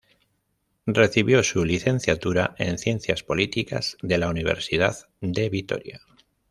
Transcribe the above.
Recibió su licenciatura en ciencias políticas de la Universidad de Victoria.